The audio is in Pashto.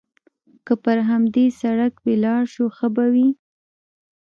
که پر همدې سړک ولاړ شو، ښه به وي.